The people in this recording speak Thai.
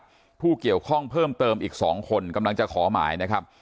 ผู้เกี่ยวข้องเพิ่มเติมอีก๒คนกำลังจะขอหมายนะครับ